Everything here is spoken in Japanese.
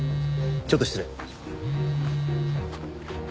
ちょっと失礼。